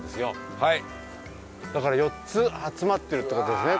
だから４つ集まってるって事ですね